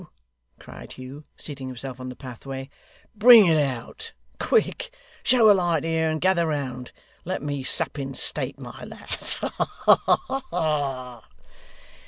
cried Hugh, seating himself on the pathway. 'Bring it out! Quick! Show a light here, and gather round! Let me sup in state, my lads! Ha ha ha!